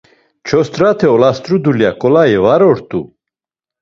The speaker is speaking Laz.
Çost̆rate olast̆ru dulya ǩolayi var ort̆u.